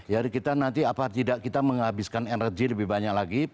jadi kita nanti apa tidak kita menghabiskan energi lebih banyak lagi